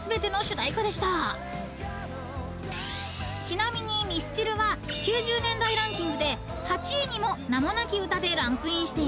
［ちなみにミスチルは９０年代ランキングで８位にも『名もなき詩』でランクインしています］